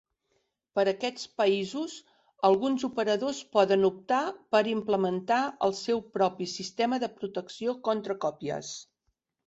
Per a aquests països, alguns operadors poden optar per implementar el seu propi sistema de protecció contra còpies.